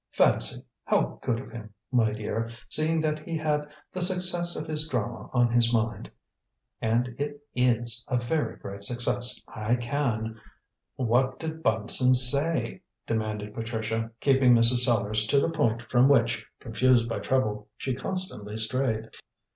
Fancy! how good of him, my dear, seeing that he had the success of his drama on his mind. And it is a very great success, I can " "What did Bunson say?" demanded Patricia, keeping Mrs. Sellars to the point from which, confused by trouble, she constantly strayed.